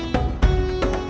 sampai jumpa lagi